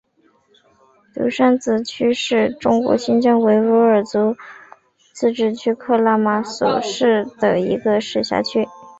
独山子区是中国新疆维吾尔自治区克拉玛依市所辖的一个市辖区。